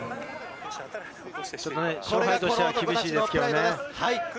勝敗としては厳しいですけれどね。